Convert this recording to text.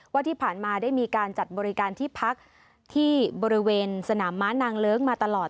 ว่าที่ผ่านมาได้มีการจัดบริการที่พักที่บริเวณสนามม้านางเลิ้งมาตลอด